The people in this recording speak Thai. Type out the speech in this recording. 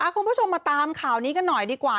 คุณผู้ชมมาตามข่าวนี้กันหน่อยดีกว่า